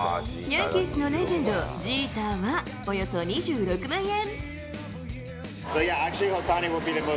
ヤンキースのレジェンド、ジーターはおよそ２６万円。